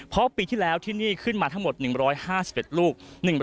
เพราะปีที่แล้วที่นี่ขึ้นมาทั้งหมด๑๕๑ลูก